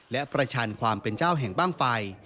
และประชันความเป็นเจ้าแห่งบ้างไฟ